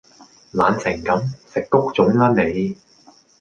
懶成咁！食谷種啦你